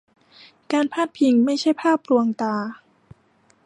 การพาดพิงไม่ใช่ภาพลวงตา